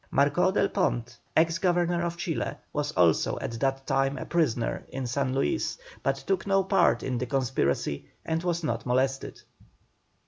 Marcó del Pont, ex Governor of Chile, was also at that time a prisoner in San Luis, but took no part in the conspiracy and was not molested.